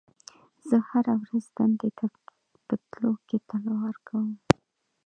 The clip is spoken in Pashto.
زه هره ورځ دندې ته په تللو کې تلوار کوم.